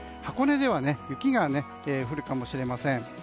箱根では雪が降るかもしれません。